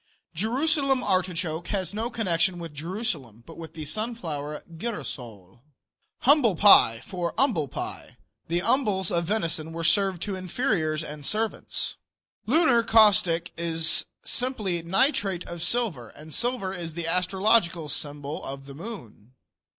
Jerusalem artichoke has no connection with Jerusalem, but with the sunflower, "girasole." Humble pie, for "umbil pie." The umbils of venison were served to inferiors and servants. Lunar caustic is simply nitrate of silver, and silver is the astrological symbol of the moon.